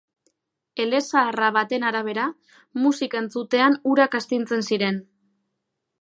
Elezaharra baten arabera, musika entzutean urak astintzen ziren.